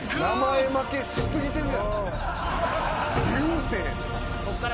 名前負けしすぎてるから。